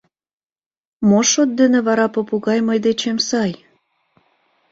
Мо шот дене вара попугай мый дечем сай?